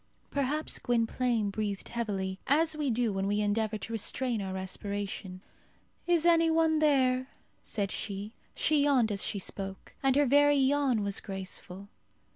Perhaps Gwynplaine breathed heavily, as we do when we endeavour to restrain our respiration. "Is any one there?" said she. She yawned as she spoke, and her very yawn was graceful.